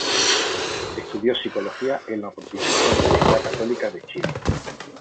Estudió psicología en la Pontificia Universidad Católica de Chile.